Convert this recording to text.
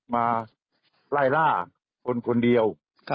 มาไล่ล่าคนคนเดียว